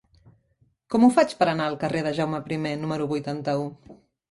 Com ho faig per anar al carrer de Jaume I número vuitanta-u?